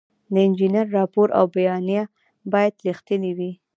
د انجینر راپور او بیانیه باید رښتینې وي.